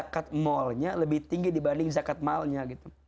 zakat maulnya lebih tinggi dibanding zakat maulnya